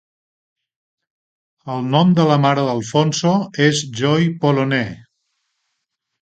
El nom de la mare d'Alfonso és Joy Pollonais.